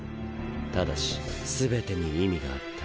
ただし全てに意味があった。